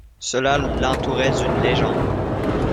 Cela l’entourait d’une légende.